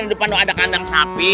di depan ada kandang sapi